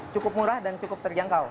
cukup murah dan cukup terjangkau